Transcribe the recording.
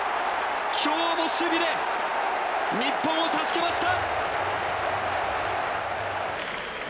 今日も守備で日本を助けました！